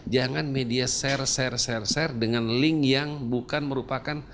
jangan media share share share share dengan link yang bukan merupakan